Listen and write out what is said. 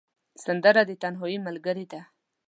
سندره د تنهايي ملګرې ده